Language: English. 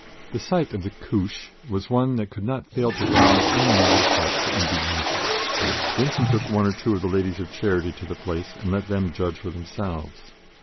The sight of the "Couche" was one that could not fail to rouse any mother's heart to indignation. Vincent took one or two of the Ladies of Charity to the place and let them judge for themselves.